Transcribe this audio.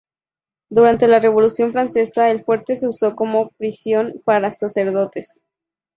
Durante la Revolución francesa el fuerte se usó como prisión para sacerdotes.